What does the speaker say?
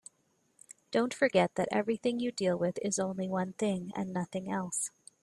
Don't forget that everything you deal with is only one thing and nothing else.